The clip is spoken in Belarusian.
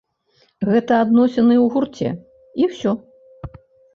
Гэта адносіны ў гурце, і ўсё.